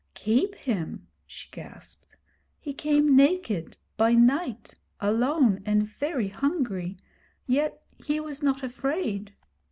'Keep him!' she gasped. 'He came naked, by night, alone and very hungry; yet he was not afraid!